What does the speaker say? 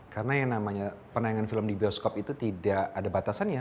karena yang namanya penayangan film di geoscope itu tidak ada batasannya